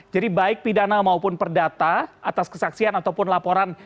jadi baik pidana maupun perdata atas kesaksian ataupun laporan